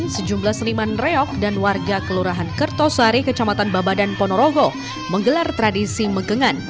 sejumlah seniman reok dan warga kelurahan kertosari kecamatan babadan ponorogo menggelar tradisi megangan